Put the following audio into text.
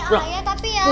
eh ayah tapi ya